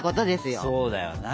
そうだよな。